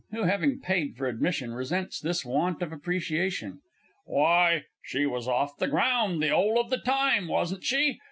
(who, having paid for admission, resents this want of appreciation). Why, she was off the ground the 'ole of the time, wasn't she?